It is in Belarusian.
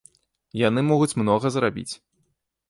Яны могуць многа зрабіць.